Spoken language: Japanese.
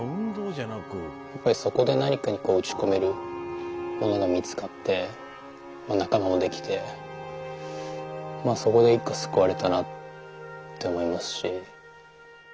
そこで何かに打ち込めるものが見つかって仲間も出来てそこで救われたなって思いますし。